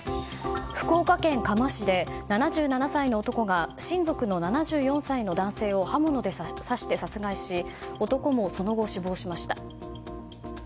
福岡県嘉麻市で７７歳の男が親族の７４歳の男性を刃物で刺して殺害し男もその後、死亡しました。